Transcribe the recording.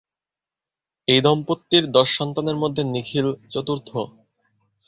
এই দম্পতির দশ সন্তানের মধ্যে নিখিল চতুর্থ।